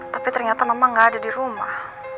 tapi ternyata mama gak ada di rumah